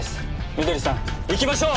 緑さん行きましょう！